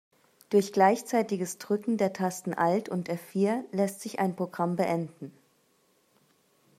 Durch gleichzeitiges Drücken der Tasten Alt und F-vier lässt sich ein Programm beenden.